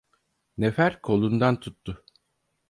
Nefer kolundan tuttu.